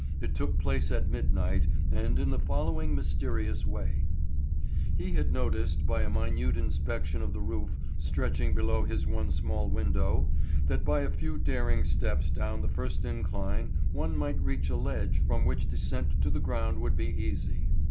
It took place at midnight and in the following mysterious way: He had noticed by a minute inspection of the roof stretching below his one small window that by a few daring steps down the first incline one might reach a ledge from which descent to the ground would be easy.